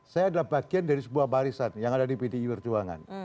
saya adalah bagian dari sebuah barisan yang ada di pdi perjuangan